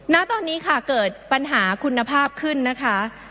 ณตอนนี้ค่ะเกิดปัญหาคุณภาพขึ้นนะคะ